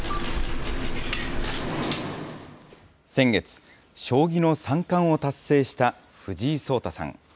先月、将棋の三冠を達成した藤井聡太さん。